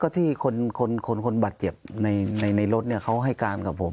ที่คนบาดเจ็บในรถเขาให้การกับผม